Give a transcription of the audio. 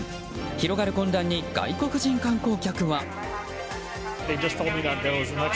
広がる混乱に外国人観光客は。